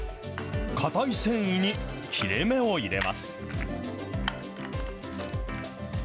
硬い繊維に切れ目を入れます。